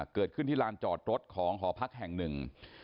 ที่ลานจอดรถของหอพักแห่งหนึ่ง